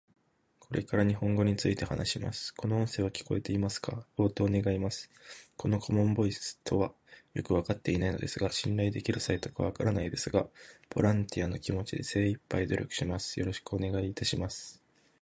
これから日本語について話します。この音声は聞こえてますか？応答願います。この顧問ボイスとはよく分かっていないのですが信頼できるサイトか分からないですが、ボランティアの気持ちで精いっぱい努力します。よろしくお願いいたします。